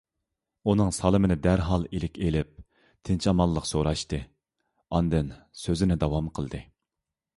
ئۇنىڭ سالىمىنى دەرھال ئىلىك ئېلىپ، تىنچ - ئامانلىق سوراشتى، ئاندىن سۆزىنى داۋام قىلدى: